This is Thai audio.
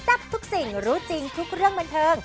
ทับทุกสิ่งรู้จริงทุกเรื่องบันเทิง